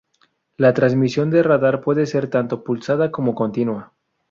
La transmisión de radar puede ser tanto pulsada como continua.